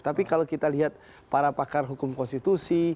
tapi kalau kita lihat para pakar hukum konstitusi